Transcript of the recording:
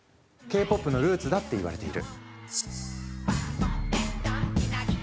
Ｋ−ＰＯＰのルーツだっていわれている。